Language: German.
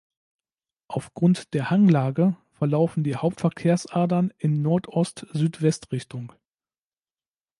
Aufgrund der Hanglage verlaufen die Hauptverkehrsadern in Nordost-Südwest-Richtung.